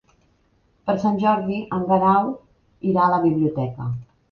Per Sant Jordi en Guerau irà a la biblioteca.